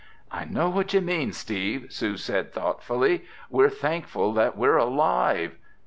"I know what you mean, Steve," Sue said thoughtfully. "We're thankful that we're alive!"